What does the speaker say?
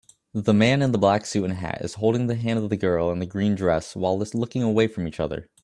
The man in the black suit and hat is holding the hand of the girl in the green dress whilst looking away from each other